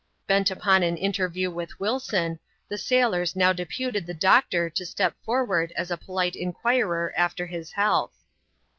Bent upon an interview with Wilson, the sailors now deputed the doctor to step forward as a polite inquirer after his health.